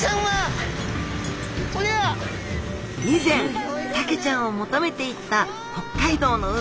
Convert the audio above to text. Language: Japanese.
以前サケちゃんを求めて行った北海道の海。